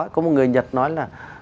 có một người nhật nói là